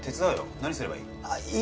何すればいい？